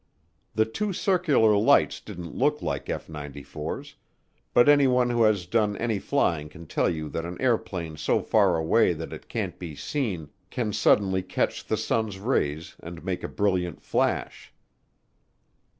The two circular lights didn't look like F 94's, but anyone who has done any flying can tell you that an airplane so far away that it can't be seen can suddenly catch the sun's rays and make a brilliant flash.